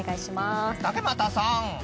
竹俣さん